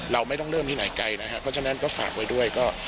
เราไม่ต้องเริ่มที่ไหนไกลนะครับเพราะฉะนั้นก็ฝากไว้ด้วยก็